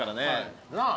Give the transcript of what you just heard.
なあ。